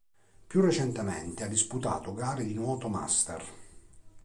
Più recentemente ha disputato gare di nuoto master.